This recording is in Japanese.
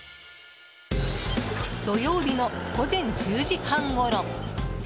土曜日の午前１０時半ごろ。